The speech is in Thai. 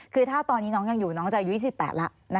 คือถ้าตอนนี้น้องยังอยู่น้องจะอายุ๒๘แล้ว